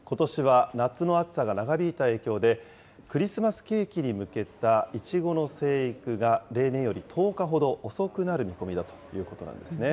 ことしは夏の暑さが長引いた影響で、クリスマスケーキに向けたいちごの生育が例年より１０日ほど遅くなる見込みだということなんですね。